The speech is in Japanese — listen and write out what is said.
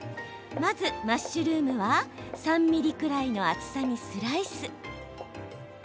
まず、マッシュルームは３ｍｍくらいの厚さにスライス。